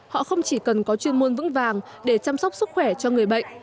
họ không chỉ cần có chuyên môn vững vàng để chăm sóc sức khỏe cho người bệnh